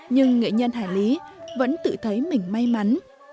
nhưng nghệ nhân hải lý vẫn tự thấy mình may mắn